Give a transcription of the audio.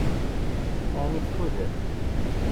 Ɛni tfudem?